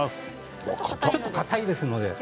ちょっとかたいですので。